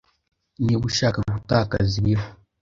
Niba ushaka gutakaza ibiro